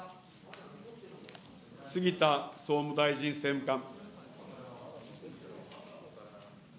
杉田総務大臣政務官。